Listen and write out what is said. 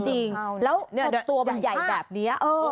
จริงแล้วตัวมันใหญ่แบบนี้